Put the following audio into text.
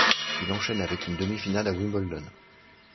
Il enchaîne avec une demi-finale à Wimbledon.